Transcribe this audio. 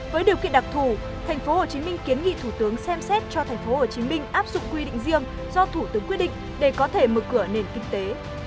với điều kiện đặc thù tp hcm kiến nghị thủ tướng xem xét cho tp hcm áp dụng quy định riêng do thủ tướng quyết định để có thể mở cửa nền kinh tế